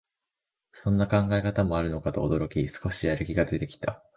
そんな考え方もあるのかと驚き、少しやる気出てきた